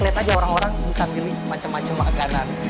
lihat aja orang orang bisa milih macam macam makanan